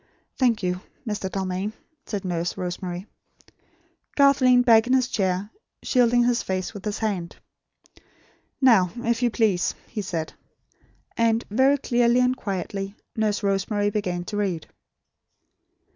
"Thank you, Mr. Dalmain," said Nurse Rosemary. Garth leaned back in his chair, shielding his face with his hand. "Now, if you please," he said. And, very clearly and quietly, Nurse Rosemary began to read.